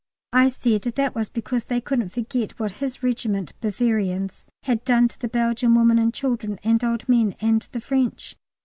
I said that was because they couldn't forget what his regiment (Bavarians) had done to the Belgian women and children and old men, and the French.